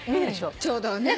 ちょうどね。